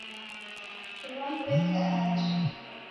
W'amu w'eka aje.